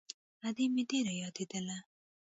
ادې مې ډېره يادېدله.